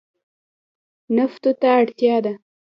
نفتو ته اړتیا ده.